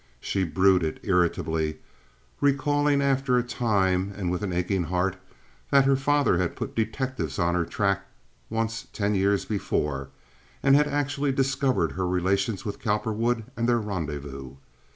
She brooded irritably, recalling after a time, and with an aching heart, that her father had put detectives on her track once ten years before, and had actually discovered her relations with Cowperwood and their rendezvous.